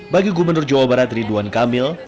bagi gubernur jawa barat ridwan kamil